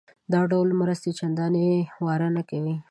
دا ډول مرستې چندانې واره نه کوي.